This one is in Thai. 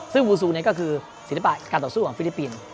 ซึ่งบูซูก็คือศิลปะการต่อสู้ของฟิลิปปินส์